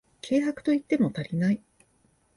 軽薄と言っても足りない